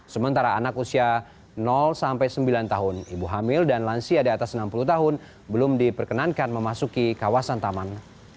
sementara anak usia sembilan tahun ibu hamil dan lansia di atas enam puluh tahun belum diperkenankan memasuki kawasan taman